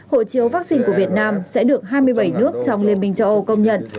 hộ chiếu vaccine của việt nam sẽ được hai mươi bảy nước trong liên minh châu âu công nhận